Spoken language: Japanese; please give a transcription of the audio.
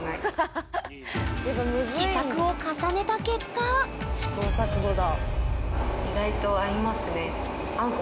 試作を重ねた結果試行錯誤だ。